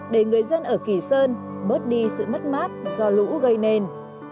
để người dân ở kỳ sơn bớt đi sự mất mát do lũ gây nên